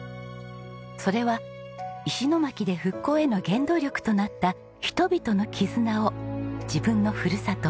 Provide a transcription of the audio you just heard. それは石巻で復興への原動力となった人々の絆を自分のふるさと